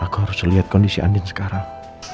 aku harus lihat kondisi andin sekarang